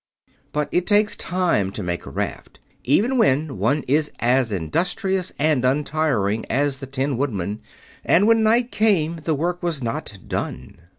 But it takes time to make a raft, even when one is as industrious and untiring as the Tin Woodman, and when night came the work was not done.